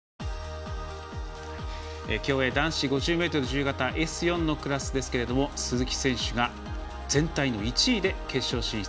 競泳男子５０ｍ自由形Ｓ４のクラスでは鈴木選手が全体の１位で決勝進出。